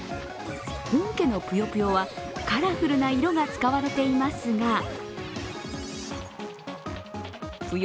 本家のぷよぷよはカラフルな色が使われていますがぷよ